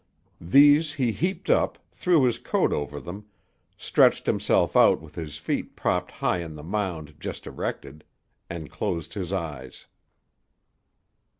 These he heaped up, threw his coat over them, stretched himself out with his feet propped high on the mound just erected, and closed his eyes.